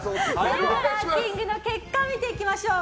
ランキングの結果見ていきましょう。